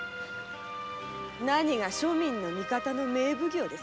何が庶民の味方の名奉行ですよ。